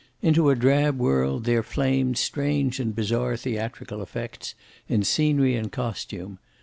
Into a drab world there flamed strange and bizarre theatrical effects, in scenery and costume.